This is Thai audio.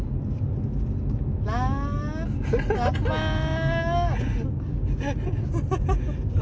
รักรักมาก